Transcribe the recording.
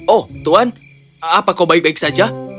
oh tuan apa kau baik baik saja